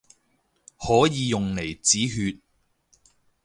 可以用嚟止血